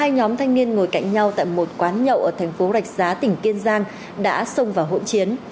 người ngồi cạnh nhau tại một quán nhậu ở thành phố rạch giá tỉnh kiên giang đã xông vào hỗn chiến